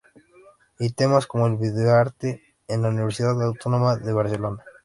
Y temas como el videoarte en la Universidad Autónoma de Barcelona.